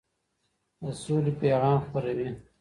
د سولې پيغام خپروي.